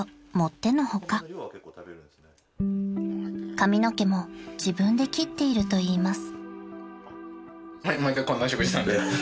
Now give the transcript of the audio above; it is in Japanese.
［髪の毛も自分で切っているといいます］